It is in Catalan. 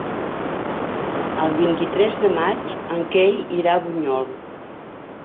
El vint-i-tres de maig en Quel irà a Bunyol.